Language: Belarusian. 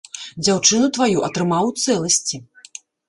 Дзяўчыну тваю атрымаў у цэласці.